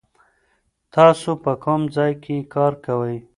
تاسو په کوم ځای کې کار کوئ؟